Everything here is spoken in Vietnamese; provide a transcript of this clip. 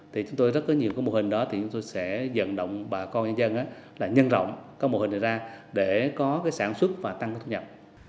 thì chúng tôi rất có nhiều cái mô hình đó thì chúng tôi sẽ dẫn động bà con nhân dân là nhân rộng các mô hình này ra để có cái sản xuất và tăng cái thu nhập